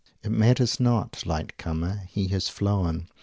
"It matters not. Light comer he has flown!